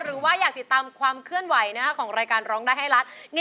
หรือว่าอยากติดตามความเคลื่อนไหวของรายการร้องได้ให้ล้าน